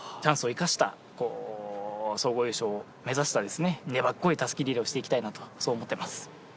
チャンスを生かした、総合優勝を目指した粘っこい襷リレーをしていきたいと思っています。